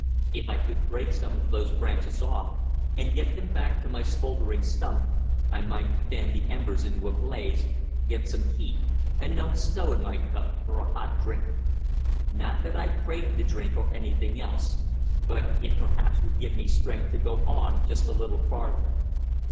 If I could break some of those branches off, and get them back to my smouldering stump, I might fan the embers into a blaze, get some heat and melt snow in my cup for a hot drink. Not that I craved the drink or anything else, but it perhaps would give me strength to go just a little farther.